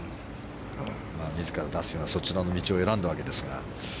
自らダスティンはそちらの道を選んだわけですが。